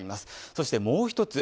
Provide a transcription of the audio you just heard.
そしてもう一つ